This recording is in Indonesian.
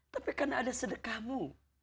tapi karena ada sedekahmu